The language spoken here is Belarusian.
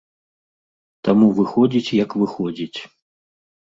Таму выходзіць як выходзіць.